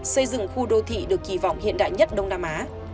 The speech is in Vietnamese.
xây dựng khu đô thị được kỳ vọng hiện đại nhất đông nam á